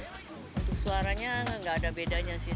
untuk suaranya nggak ada bedanya sih